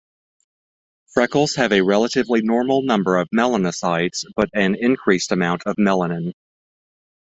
Freckles have a relatively normal number of melanocytes but an increased "amount" of melanin.